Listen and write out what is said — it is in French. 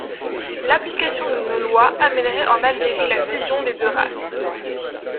L'application de nos lois amènerait en Algérie la fusion des deux races.